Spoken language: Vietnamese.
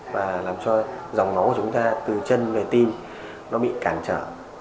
và làm cho dòng máu của chúng ta từ chân về tim nó bị cản trở